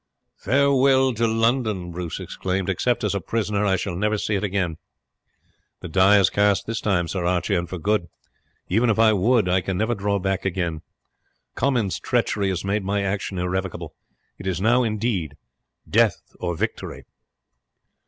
"Farewell to London!" Bruce exclaimed. "Except as a prisoner I shall never see it again. The die is cast this time, Sir Archie, and for good; even if I would I can never draw back again. Comyn's treachery has made my action irrevocable it is now indeed death or victory!"